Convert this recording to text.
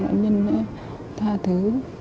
nạn nhân đã tha thứ